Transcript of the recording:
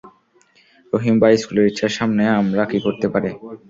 রহিম ভাই স্কুলের ইচ্ছার সামনে আমরা কি করতে পারি?